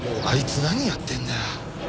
あいつ何やってんだよ！